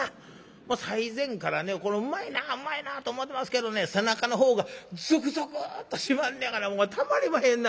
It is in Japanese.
もう最前からうまいなうまいなと思ってますけどね背中の方がゾクゾクとしまんねやからもうたまりまへんな